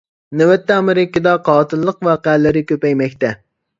نۆۋەتتە ئامېرىكىدا قاتىللىق ۋەقەلىرى كۆپەيمەكتە.